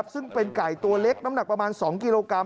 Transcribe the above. ซึ่งเป็นไก่ตัวเล็กน้ำหนักประมาณ๒กิโลกรัม